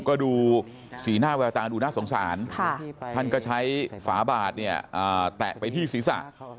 ก็ดูสีหน้าแววตาดูน่าสงสารท่านก็ใช้ฝาบาดเนี่ยแตะไปที่ศีรษะ